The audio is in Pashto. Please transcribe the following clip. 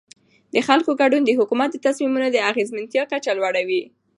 د خلکو ګډون د حکومت د تصمیمونو د اغیزمنتیا کچه لوړوي